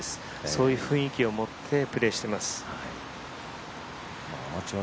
そういう雰囲気を持ってプレーしています。